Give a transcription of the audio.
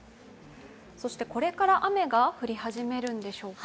そして、これから雨が降り始めるんでしょうか。